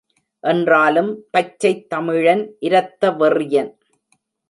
என்றாலும், பச்சைத் தமிழன், இரத்த வெறியன்!